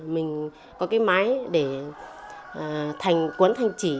mình có cái máy để cuốn thành chỉ